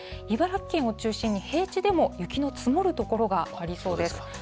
茨城県を中心に、平地でも雪の積もる所がありそうです。